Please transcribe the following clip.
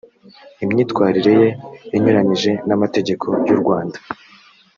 imyitwalire ye inyuranyije n’ amategeko y u rwanda